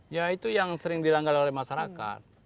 ya itu yang sering dilanggar oleh masyarakat